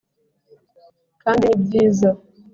kandi ni byiza